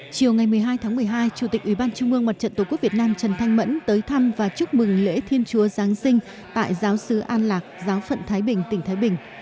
chiều ngày một mươi hai tháng một mươi hai chủ tịch ủy ban trung mương mặt trận tổ quốc việt nam trần thanh mẫn tới thăm và chúc mừng lễ thiên chúa giáng sinh tại giáo sứ an lạc giáo phận thái bình tỉnh thái bình